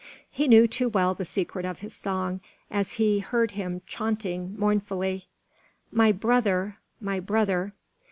He knew too well the secret of his song, as he heard him chaunting mournfully: "My brother! My brother!